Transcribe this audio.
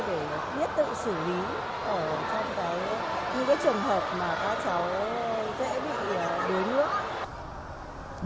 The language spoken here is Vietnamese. để biết tự xử lý trong những cái trường hợp mà các cháu dễ bị đuối nước